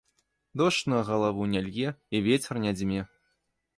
Дождж на галаву не лье і вецер не дзьме.